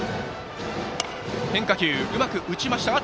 変化球、うまく打ちました。